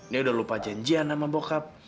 dia udah lupa janjian sama bokap